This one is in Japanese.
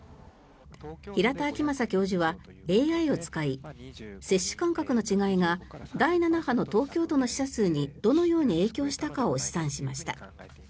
平田晃正教授はＡＩを使い接種間隔の違いが第７波の東京都の死者数にどのように影響したかを試算しました。